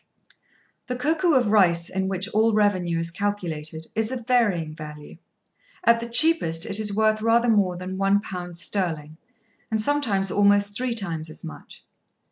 The koku of rice, in which all revenue is calculated, is of varying value. At the cheapest it is worth rather more than a pound sterling, and sometimes almost three times as much.